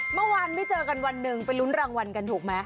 เมื่อวานไม่เจอกันวันหนึ่งไปลุ้นรางวัลกันถูกไหม